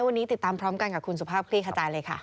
วันนี้ติดตามพร้อมกันกับคุณสุภาพคลี่ขจายเลยค่ะ